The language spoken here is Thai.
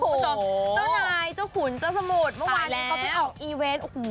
เจ้านายเจ้าขุนเจ้าสมุทรเมื่อวานนี้เขาไปออกอีเวนต์โอ้โห